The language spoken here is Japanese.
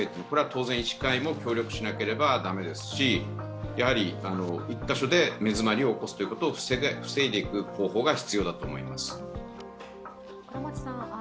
これは当然医師会も協力しなければ駄目ですしやはり１カ所で根詰まりを起こすことを防ぐ方法が必要だと思います。